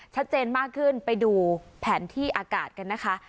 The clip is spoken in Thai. ชัดเจนมากขึ้นไปดูแผนที่อากาศกันนะคะ